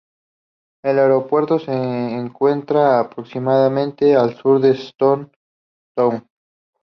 El aeropuerto se encuentra a aproximadamente a al sur de Stone Town.